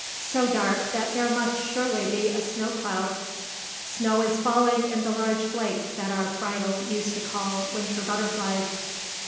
"So dark that there must surely be a snow cloud." "Snow is falling in the large flakes that our Friedel used to call winter butterflies."